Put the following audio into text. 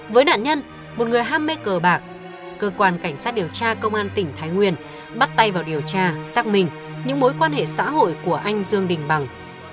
với nạn nhân một người ham mê cờ bạc cơ quan cảnh sát điều tra công an tỉnh thái nguyên bắt tay vào điều tra xác minh những mối quan hệ xã hội của anh dương đình bằng